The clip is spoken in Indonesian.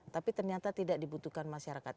tapi ternyata tidak dibutuhkan masyarakat